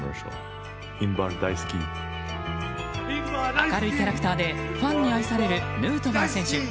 明るいキャラクターでファンに愛されるヌートバー選手。